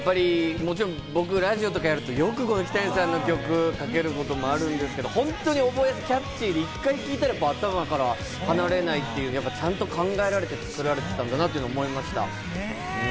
僕、ラジオとかやると、よくキタニさんの曲をかけるんですけれども、キャッチーで、１回聴いたら頭から離れない、ちゃんと考えられて作られてたんだなと思いました。